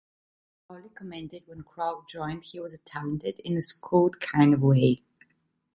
McCauley commented when Crowell joined "he was talented in a schooled kind of way".